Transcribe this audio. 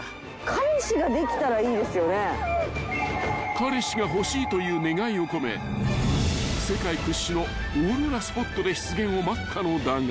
［彼氏が欲しいという願いを込め世界屈指のオーロラスポットで出現を待ったのだが］